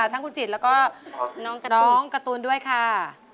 ทั้งคุณจิตแล้วก็น้องการ์ตูนด้วยค่ะ